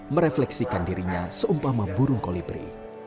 merefleksikan dirinya seumpama burung kolibri